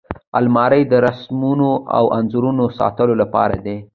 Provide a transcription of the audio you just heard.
الماري د رسمونو او انځورونو ساتلو لپاره ده